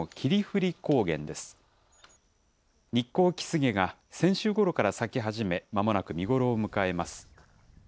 ニッコウキスゲが先週ごろから咲き始め、まもなく見頃を迎えます。